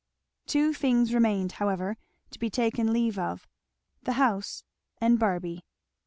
Two things remained however to be taken leave of; the house and Barby.